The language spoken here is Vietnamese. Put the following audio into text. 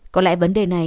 có lẽ vấn đề này